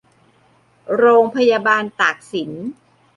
โรงพยาบาลตากสิน